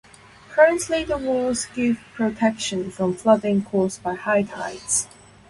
Currently the walls give protection from flooding caused by high tides.